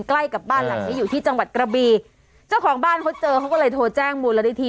ใกล้กับบ้านหลังนี้อยู่ที่จังหวัดกระบีเจ้าของบ้านเขาเจอเขาก็เลยโทรแจ้งมูลนิธิ